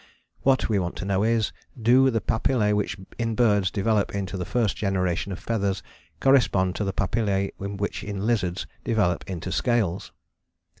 What we want to know is, Do the papillae which in birds develop into the first generation of feathers correspond to the papillae which in lizards develop into scales?